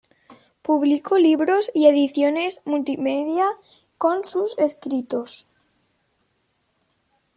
Público libros y ediciones multimedia con sus escritos.